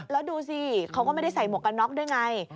แล้วดูสิเขาก็ไม่ได้ใส่หมวกกันน็อกด้วยไง